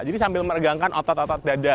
jadi sambil meregangkan otot otot dada